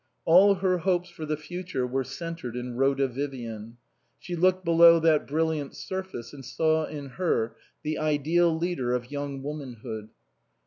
All her hopes for the future were centred in Rhoda Vivian. She looked below that brilliant surface and saw in her the ideal leader of young womanhood.